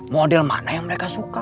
model mana yang mereka suka